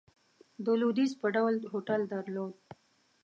د لوېدیځ په ډول هوټل درلود.